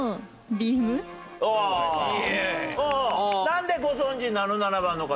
なんでご存じなの？